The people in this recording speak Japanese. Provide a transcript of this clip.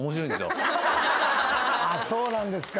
そうなんですか。